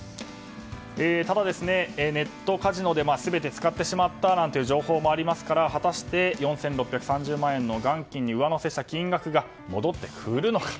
ただ、ネットカジノで全て使ってしまったという情報もありますから果たして４６３０万円の元金に上乗せした金額が戻ってくるのか。